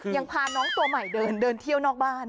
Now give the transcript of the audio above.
ยังพาน้องตัวใหม่เดินเดินเที่ยวนอกบ้าน